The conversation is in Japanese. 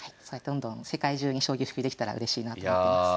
どんどん世界中に将棋普及できたらうれしいなって思ってます。